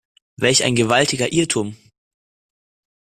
Welch ein gewaltiger Irrtum!